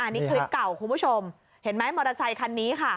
นี่คลิปเก่าคุณผู้ชมเห็นไหมมอเตอร์ไซคันนี้ค่ะ